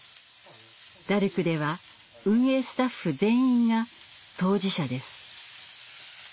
ダルクでは運営スタッフ全員が当事者です。